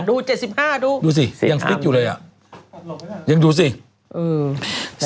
ดูเจ็ดสิบห้าดูดูสิยังฟิตอยู่เลยอ่ะยังดูสิอืม